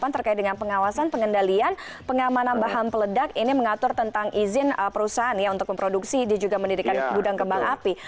dua ribu delapan terkait dengan pengawasan pengendalian pengamanan bahan peledak ini mengatur tentang izin perusahaan untuk memproduksi dia juga mendirikan gudang kebang api